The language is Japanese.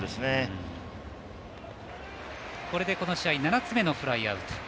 これで７つ目のフライアウト。